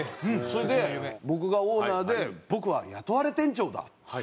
それで僕がオーナーで僕は雇われ店長だと。